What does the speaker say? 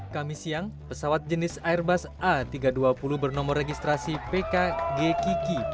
kami siang pesawat jenis airbus a tiga ratus dua puluh bernomor registrasi pkg kiki